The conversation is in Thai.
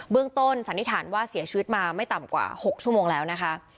ต้นสันนิษฐานว่าเสียชีวิตมาไม่ต่ำกว่า๖ชั่วโมงแล้วนะคะ